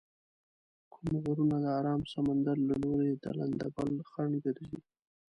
کوم غرونه د ارام سمندر له لوري د لندبل خنډ ګرځي؟